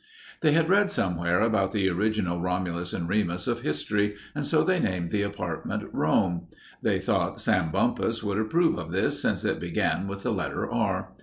They had read somewhere about the original Romulus and Remus of history, and so they named the apartment Rome. They thought Sam Bumpus would approve of this since it began with the letter R.